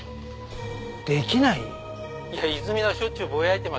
「いや泉田がしょっちゅうぼやいてましたから」